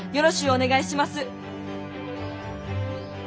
お願いします。